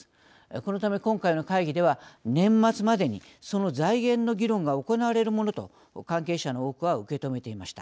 このため、今回の会議では年末までにその財源の議論が行われるものと関係者の多くは受け止めていました。